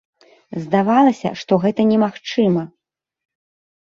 Здавалася, што гэта немагчыма.